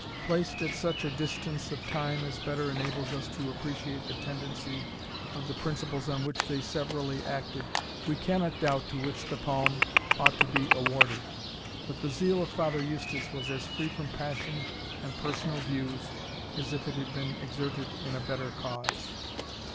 Placed at such a distance of time as better enables us to appreciate the tendency of the principles on which they severally acted, we cannot doubt to which the palm ought to be awarded. But the zeal of Father Eustace was as free from passion and personal views as if it had been exerted in a better cause.